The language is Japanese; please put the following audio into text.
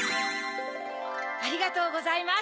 ありがとうございます